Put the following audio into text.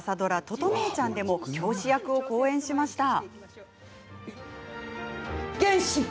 「とと姉ちゃん」でも教師役を好演しました。